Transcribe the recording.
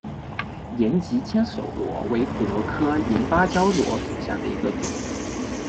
岩棘千手螺为骨螺科岩芭蕉螺属下的一个种。